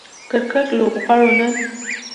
کرکټ لوبغاړو نن